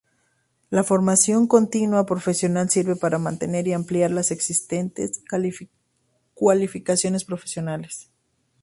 La Formación continua profesional sirve para mantener y ampliar las existentes cualificaciones profesionales.